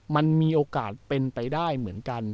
มันมีโอกาสเป็นไปได้เหมือนกัน